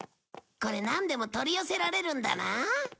これなんでも取り寄せられるんだな。